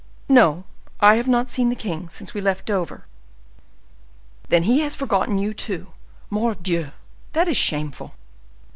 "No! I have not seen the king since we left Dover." "Then he has forgotten you, too! Mordioux! That is shameful!"